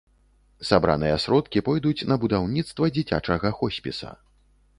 Сабраныя сродкі пойдуць на будаўніцтва дзіцячага хоспіса.